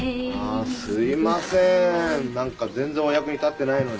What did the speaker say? あすいません何か全然お役に立ってないのに。